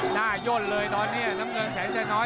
หน้ายนเลยณับเงินแสดงว่าน้อย